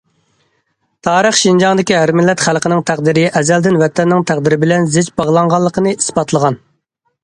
تارىخ شىنجاڭدىكى ھەر مىللەت خەلقىنىڭ تەقدىرى ئەزەلدىن ۋەتەننىڭ تەقدىرى بىلەن زىچ باغلانغانلىقىنى ئىسپاتلىغان.